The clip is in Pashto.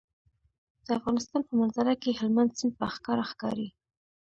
د افغانستان په منظره کې هلمند سیند په ښکاره ښکاري.